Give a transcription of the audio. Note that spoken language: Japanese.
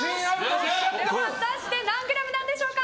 果たして何グラムなんでしょうか。